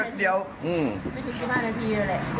ไม่ถึง๑๕นาทีแหละ